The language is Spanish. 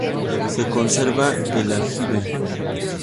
Se conserva el aljibe.